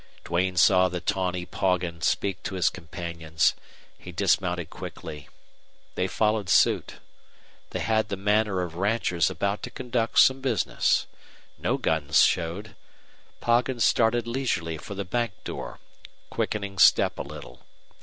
Duane saw the tawny Poggin speak to his companions. He dismounted quickly. They followed suit. They had the manner of ranchers about to conduct some business. No guns showed. Poggin started leisurely for the bank door, quickening step a little.